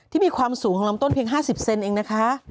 มีความสูงของลำต้นเพียง๕๐เซนเองนะคะ